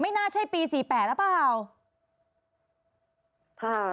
ไม่น่าใช่ปี๔๘แล้วเปล่า